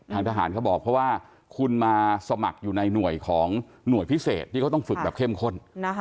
ทางทหารเขาบอกเพราะว่าคุณมาสมัครอยู่ในหน่วยของหน่วยพิเศษที่เขาต้องฝึกแบบเข้มข้น